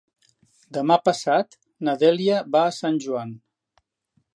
Demà passat na Dèlia va a Sant Joan.